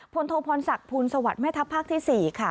โทพรศักดิ์ภูลสวัสดิ์แม่ทัพภาคที่๔ค่ะ